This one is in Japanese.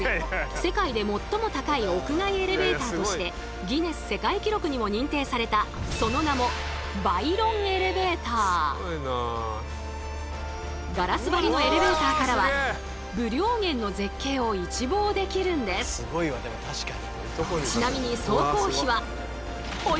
世界で最も高い屋外エレベーターとしてギネス世界記録にも認定されたその名もガラス張りのエレベーターからは武陵源のすごいわでも確かに。